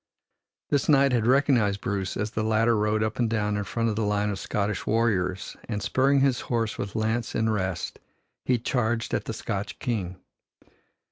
This knight had recognized Bruce as the latter rode up and down in front of the line of Scottish warriors and spurring his horse with lance in rest he charged at the Scotch King.